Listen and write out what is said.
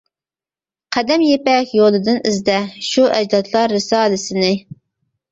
قەدىم يىپەك يولىدىن ئىزدە، شۇ ئەجدادلار رىسالىسىنى.